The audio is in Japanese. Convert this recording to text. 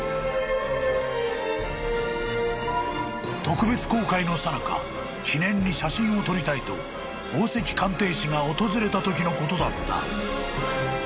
［特別公開のさなか記念に写真を撮りたいと宝石鑑定士が訪れたときのことだった］